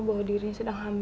bahwa dirinya sedang hamil